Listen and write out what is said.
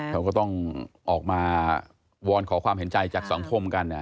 เขาก็ต้องออกมาวอนขอความเห็นใจจากสังคมกัน